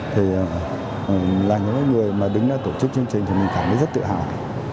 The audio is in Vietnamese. thì là những người đứng đó tổ chức chương trình thì mình cảm thấy rất tự hào